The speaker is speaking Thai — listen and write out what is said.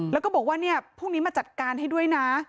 แล้วก็บอกว่าเนี่ยพรุ่งนี้มาจัดการให้ด้วยนะ